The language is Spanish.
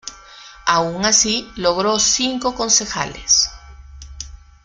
Aun así, logró cinco concejales.